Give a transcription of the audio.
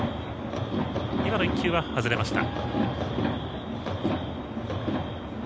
今の１球は外れました。